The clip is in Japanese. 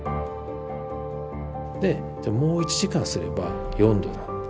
でもう１時間すれば４°だ。